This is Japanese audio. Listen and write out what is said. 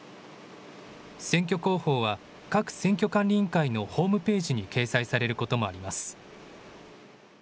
選挙公報は各選挙管理委員会のホームページに掲載されることもあります。